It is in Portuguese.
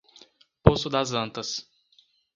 Poço das Antas